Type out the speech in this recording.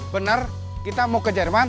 benar kita mau ke jerman